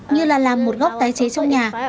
như là làm một góc tái chế trong nhà